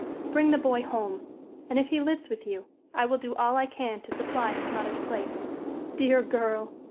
Bring the boy home. And if he lives with you, I will do all I can to supply his mother's place." "Dear girl!